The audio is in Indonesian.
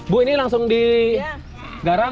bu ini langsung di garam